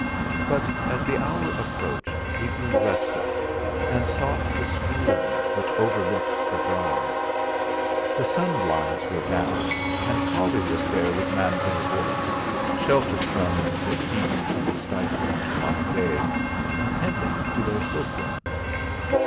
But as the hour approached he grew restless, and sought the schoolroom, which overlooked the drive. The sun blinds were down, and Holly was there with Mademoiselle Beauce, sheltered from the heat of a stifling July day, attending to their silkworms.